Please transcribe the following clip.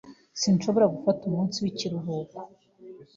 Sinshobora gufata umunsi w'ikiruhuko.